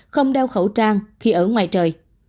không đeo khẩu trang khi ở ngoài trời